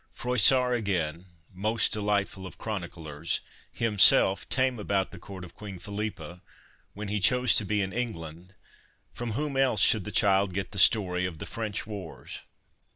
1 Froissart, again, most delightful of chroniclers, himself 'tame' about the court of Queen Philippa, when he chose to be in England from whom else should the child get the story of the French wars?